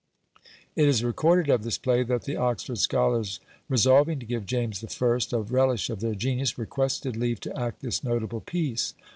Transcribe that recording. It is recorded of this play, that the Oxford scholars resolving to give James I. a relish of their genius, requested leave to act this notable piece.